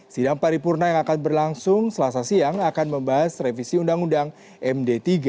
sidang paripurna yang akan berlangsung selasa siang akan membahas revisi undang undang md tiga